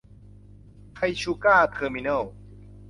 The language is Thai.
ไทยชูการ์ เทอร์มิเนิ้ล